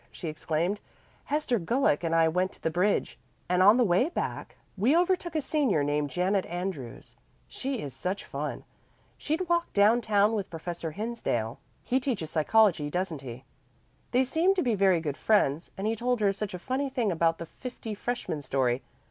she exclaimed. "Hester Gulick and I went to the bridge, and on the way back we overtook a senior named Janet Andrews. She is such fun. She'd walked down town with Professor Hinsdale. He teaches psychology, doesn't he? They seem to be very good friends, and he told her such a funny thing about the fifty freshmen story.